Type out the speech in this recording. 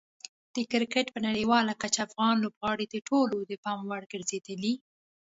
د کرکټ په نړیواله کچه افغان لوبغاړي د ټولو د پام وړ ګرځېدلي.